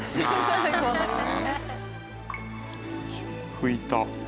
拭いた。